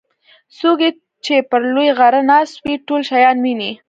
څوک چې پر لوی غره ناست وي ټول شیان ویني.